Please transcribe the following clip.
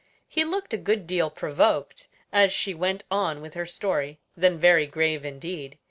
He looked a good deal provoked as she went on with her story; then very grave indeed.